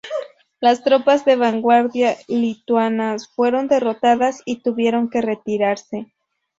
Las tropas de vanguardia lituanas fueron derrotadas y tuvieron que retirarse.